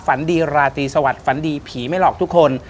ฝันดีราตรีสวัสดิฝันดีผีไม่หลอกทุกคน